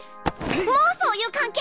もうそういう関係！？